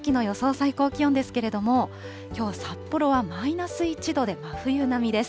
最高気温ですけれども、きょう札幌はマイナス１度で真冬並みです。